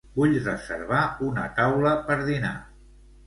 Vull reservar una taula per dinar.